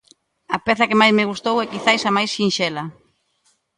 A peza que máis me gustou é quizais a máis sinxela.